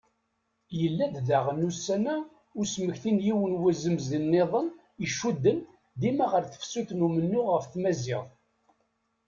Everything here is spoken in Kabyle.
Yella-d diɣen ussan-a usmekti n yiwen wazemz nniḍen icudden dima ɣer tefsut d umennuɣ ɣef tmaziɣt.